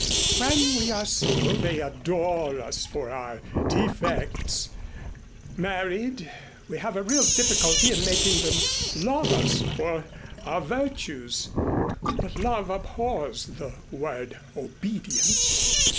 "When we are single they adore us for our defects; married, we have a real difficulty in making them love us for our virtues. But love abhors the word obedience.